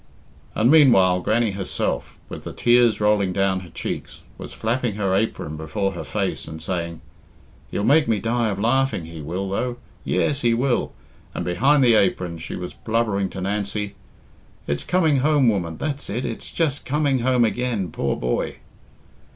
And meanwhile, Grannie herself, with the tears rolling down her cheeks, was flapping her apron before her face and saying, "He'll make me die of laughing, he will, though yes, he will!" But behind the apron she was blubbering to Nancy, "It's coming home, woman, that's it it's just coming home again, poor boy!"